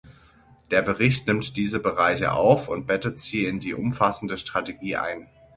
Der Bericht nimmt diese Bereiche auf und bettet sie in die umfassende Strategie ein.